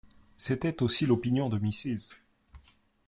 C’était aussi l’opinion de Mrs.